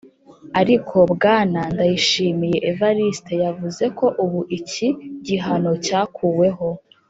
ariko bwana ndayishimiye evariste yavuze ko ubu iki gihano cyakuweho